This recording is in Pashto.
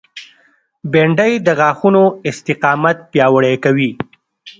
بېنډۍ د غاښونو استقامت پیاوړی کوي